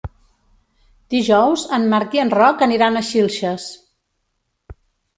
Dijous en Marc i en Roc aniran a Xilxes.